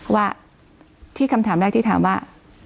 ว่าที่คำถามแรกที่ถามว่า